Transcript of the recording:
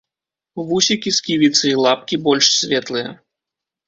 Вусікі, сківіцы і лапкі больш светлыя.